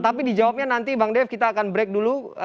tapi dijawabnya nanti bang dev kita akan break dulu